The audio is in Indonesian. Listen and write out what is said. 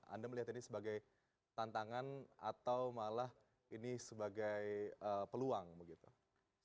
anda melihat ini sebagai tantangan atau malah ini sebagai peluang begitu